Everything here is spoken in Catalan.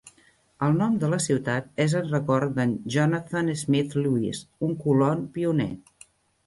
El nom de la ciutat és en record de"n Jonathan Smith Lewis, un colon pioner.